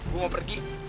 gua mau pergi